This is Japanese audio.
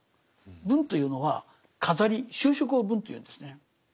文というのは飾り修飾を「文」というんですね。